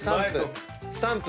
スタンプ。